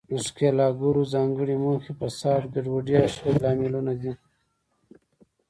د ښکیلاکګرو ځانګړې موخې، فساد، ګډوډي او شخړې لاملونه دي.